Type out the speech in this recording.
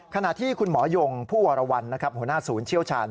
ขณะที่คุณหมอยงผู้วรวรรณหัวหน้าศูนย์เชี่ยวชาญ